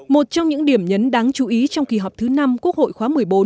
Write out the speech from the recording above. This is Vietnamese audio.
một trong những điểm nhấn đáng chú ý trong kỳ họp thứ năm quốc hội khóa một mươi bốn